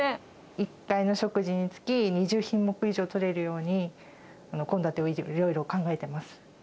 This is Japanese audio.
１回の食事につき２０品目以上とれるように、献立をいろいろ考えてます。